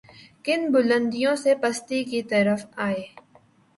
کن بلندیوں سے پستی کی طرف آئے۔